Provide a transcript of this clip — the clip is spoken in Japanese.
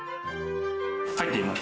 入ってみます？